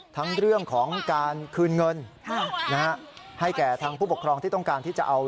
ดูภาพในรายการถามตรงหน่อยดิฮะ